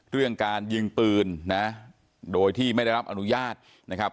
เรื่องการยิงปืนนะโดยที่ไม่ได้รับอนุญาตนะครับ